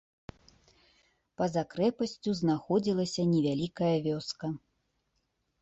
Па-за крэпасцю знаходзілася невялікая вёска.